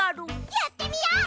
やってみよう！